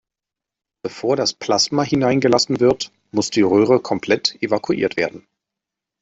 Bevor das Plasma hineingelassen wird, muss die Röhre komplett evakuiert werden.